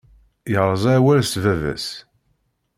Yerẓa awal n baba-s.